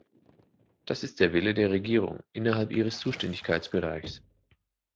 Das ist der Wille der Regierung, innerhalb ihres Zuständigkeitsbereichs.